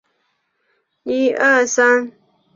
是汪精卫政权中在南京受审的第一个人。